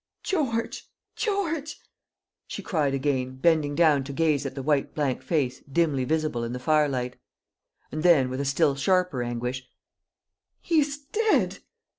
"George! George!" she cried again, bending down to gaze at the white blank face dimly visible in the firelight; and then, with a still sharper anguish, "He is dead!"